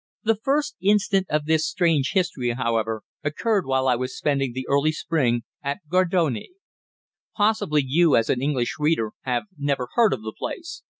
The first incident of this strange history, however, occurred while I was spending the early spring at Gardone. Possibly you, as an English reader, have never heard of the place.